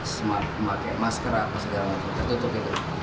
memakai masker apa segala macam tertutup gitu